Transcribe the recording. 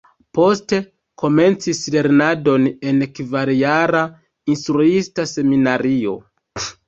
Poste komencis lernadon en kvarjara Instruista Seminario.